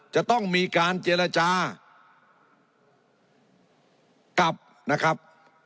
จะต้องมีการเจรจากับนะครับ